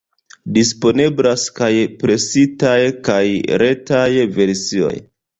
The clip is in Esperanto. Disponeblas kaj presitaj kaj retaj versioj.